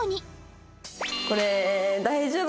これ大丈夫かな？